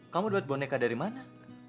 kamu dapat boneka dari mana